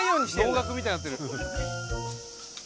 能楽みたいになってる。